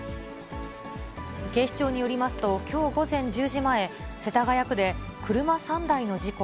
警視庁によりますと、きょう午前１０時前、世田谷区で、車３台の事故。